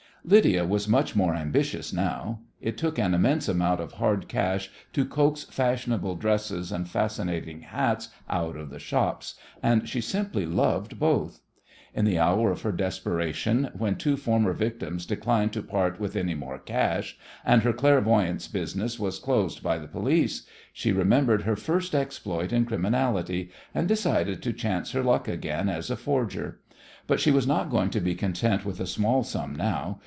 Lydia was much more ambitious now. It took an immense amount of hard cash to coax fashionable dresses and fascinating hats out of the shops, and she simply loved both. In the hour of her desperation, when two former victims declined to part with any more cash, and her clairvoyance business was closed by the police, she remembered her first exploit in criminality, and decided to chance her luck again as a forger. But she was not going to be content with a small sum now.